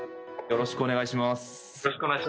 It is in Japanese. よろしくお願いします。